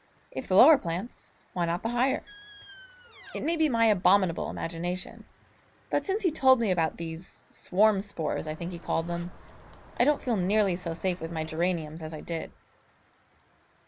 If the lower plants, why not the higher? It may be my abominable imagination, but since he told me about these swarm spores I think he called them I don't feel nearly so safe with my geraniums as I did.